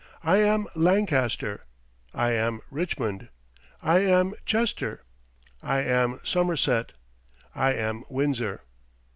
"I am Lancaster." "I am Richmond." "I am Chester." "I am Somerset." "I am Windsor."